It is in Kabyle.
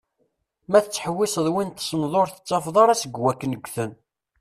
Ma tettḥewwiseḍ win tesneḍ ur tettafeḍ ara seg wakken gten.